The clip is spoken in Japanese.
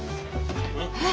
えっ！